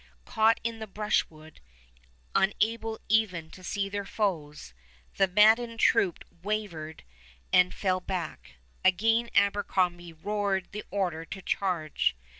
Caught in the brushwood, unable even to see their foes, the maddened troops wavered and fell back. Again Abercrombie roared the order to charge.